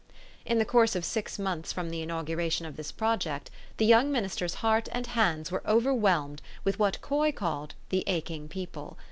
In the course of six months from the inauguration of this project, the young minister's heart and hands were overwhelmed with what Coy called the " ach ing people."